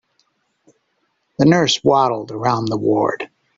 The nurse waddled around the ward.